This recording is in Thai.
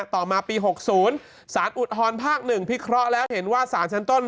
ต่อมาปี๖๐สารอุทธรภาค๑พิเคราะห์แล้วเห็นว่าสารชั้นต้น